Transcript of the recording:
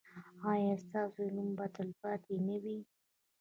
ایا ستاسو نوم به تلپاتې نه وي؟